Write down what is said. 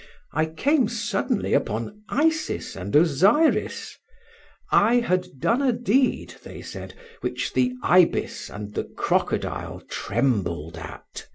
I came suddenly upon Isis and Osiris: I had done a deed, they said, which the ibis and the crocodile trembled at.